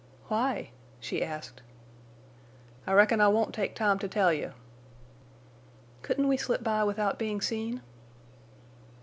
"Why?" she asked. "I reckon I won't take time to tell you." "Couldn't we slip by without being seen?"